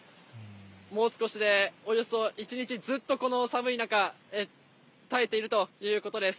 もう少しでおよそ１日、ずっとこの寒い中、耐えているということです。